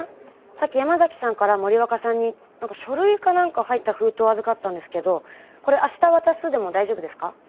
さっき山崎さんから森若さんに何か書類か何か入った封筒を預かったんですけどこれ明日渡すでも大丈夫ですか？